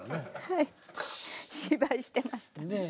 はい芝居してましたね。